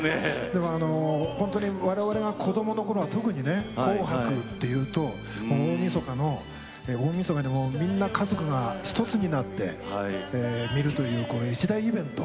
でもあのほんとに我々が子どもの頃は特にね「紅白」っていうと大みそかの大みそかでもうみんな家族が一つになって見るというこの一大イベント。